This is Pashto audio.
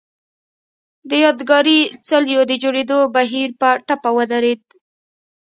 د یادګاري څليو د جوړېدو بهیر په ټپه ودرېد.